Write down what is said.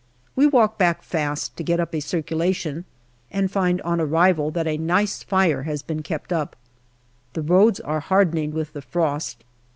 We walk back fast, to get up a circula tion, and find on arrival that a nice fire has been kept up. The roads are hardening with the frost.